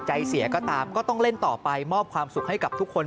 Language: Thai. ใจเสียก็ตามก็ต้องเล่นต่อไปมอบความสุขให้กับทุกคน